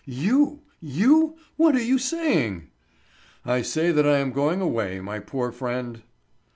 "You! You! What are you saying?" "I say that I am going away, my poor friend."